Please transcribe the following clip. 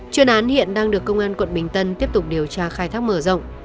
chuyên án hiện đang được công an quận bình tân tiếp tục điều tra khai thác mở rộng